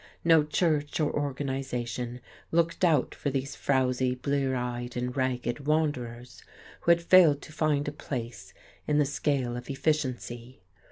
No church or organization, looked out for these frowsy, blear eyed and ragged wanderers who had failed to find a place in the scale of efficiency.